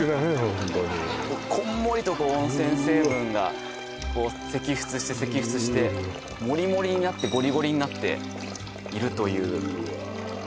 ホントにこんもりとこう温泉成分がうわっこう析出して析出してもりもりになってゴリゴリになっているといううわ